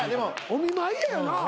お見舞いやよな。